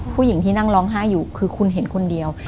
ผู้หญิงที่นั่งร้องไห้อยู่คือคุณเห็นคนเดียว